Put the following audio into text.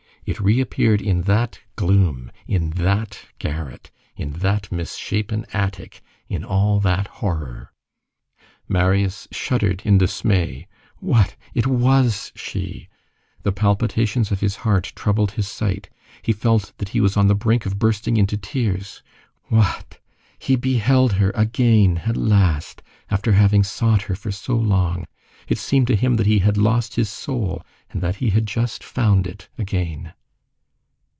It reappeared in that gloom, in that garret, in that misshapen attic, in all that horror. Marius shuddered in dismay. What! It was she! The palpitations of his heart troubled his sight. He felt that he was on the brink of bursting into tears! What! He beheld her again at last, after having sought her so long! It seemed to him that he had lost his soul, and that he had just found it again.